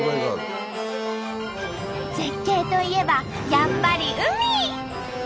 絶景といえばやっぱり海！